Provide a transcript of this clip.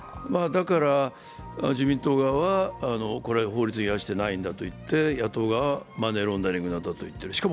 だから自民党側はこれは法律違反してないんだと言って野党側は、マネーロンダリングなんだと言ってる。